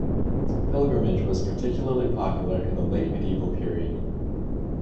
Pilgrimage was particularly popular in the late medieval period.